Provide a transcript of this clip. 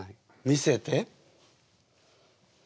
見せて。